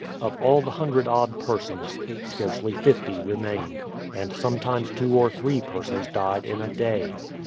Of all the hundred odd persons, scarcely fifty re mained, and sometimes two or three persons died in a day.